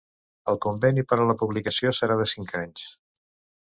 El conveni per a la publicació serà de cinc anys